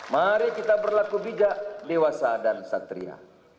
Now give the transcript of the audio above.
mari kita berlaku bijak dewasa dan satria